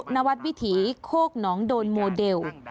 นวัฒน์วิธีโฆ่กน้องโดนโมเดล